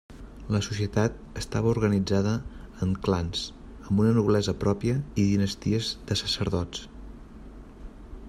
La societat estava organitzada en clans amb una noblesa pròpia i dinasties de sacerdots.